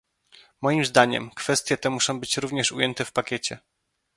Moim zdaniem, kwestie te muszą być również ujęte w pakiecie